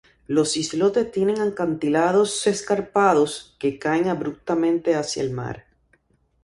Los islotes tienen acantilados escarpados, que caen abruptamente hacia el mar.